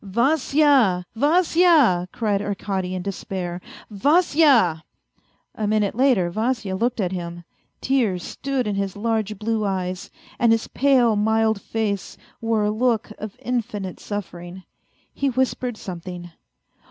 " Vasya, Vasya 1 " cried Arkady in despair. " Vasya !" A minute later Vasya looked at him, tears stood in his large blue eyes, and his pale, mild face wore a look of infinite suffering. He whispered something.